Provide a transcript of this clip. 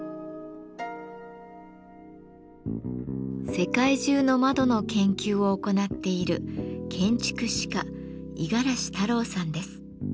世界中の窓の研究を行っている建築史家五十嵐太郎さんです。